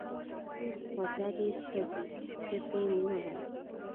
وزر یې سوزي تبې نیولی